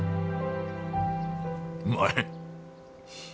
うまい。